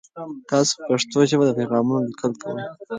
تاسو په پښتو ژبه د پیغامونو لیکل کوئ؟